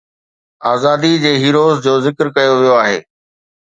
آزادي جي هيروز جو ذڪر ڪيو ويو آهي